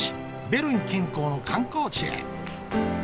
ベルン近郊の観光地へ。